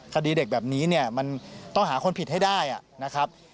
คดีเด็กแบบนี้เนี่ยมันต้องหาคนผิดให้ได้นะครับ